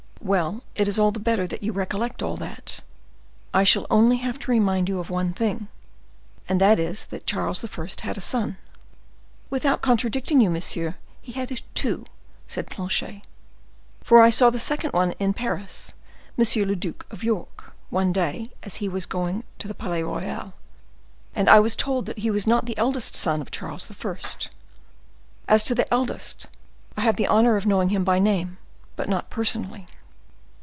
"Well, it is all the better that you recollect all that; I shall only have to remind you of one thing, and that is that Charles I. had a son." "Without contradicting you, monsieur, he had two," said Planchet; "for I saw the second one in Paris, M. le Duke of York, one day, as he was going to the Palais Royal, and I was told that he was not the eldest son of Charles I. As to the eldest, I have the honor of knowing him by name, but not personally."